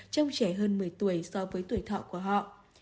trong trẻ hơn một mươi tuổi so với tuổi thọ của họ